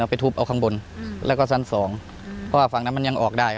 ไปทุบเอาข้างบนแล้วก็ชั้นสองเพราะว่าฝั่งนั้นมันยังออกได้